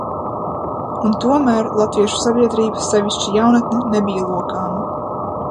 Un tomēr, latviešu sabiedrība, sevišķi jaunatne, nebija lokāma.